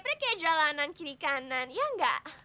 padahal kayak jalanan kiri kanan ya nggak